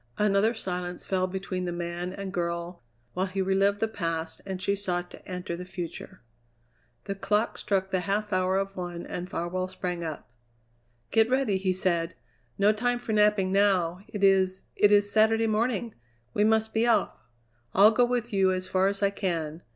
Another silence fell between the man and girl while he relived the past and she sought to enter the future. The clock struck the half hour of one and Farwell sprang up. "Get ready!" he said. "No time for napping now. It is it is Saturday morning! We must be off! I'll go with you as far as I can.